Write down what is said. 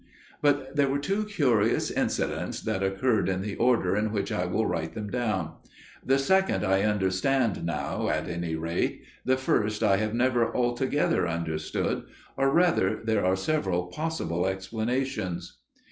"But there were two curious incidents that occurred in the order in which I will write them down. The second I understand now, at any rate; the first I have never altogether understood, or rather there are several possible explanations.